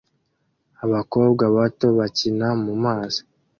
Abakobwa bato bakina mumazi